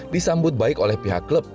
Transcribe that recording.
disambut baik oleh pihak klub